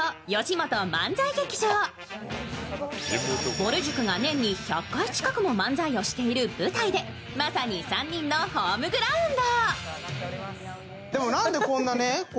ぼる塾が年に１００回近くも漫才をしている舞台でまさに３人のホームグラウンド！